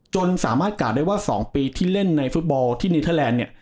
สามารถกาดได้ว่า๒ปีที่เล่นในฟุตบอลที่เนเทอร์แลนด์เนี่ย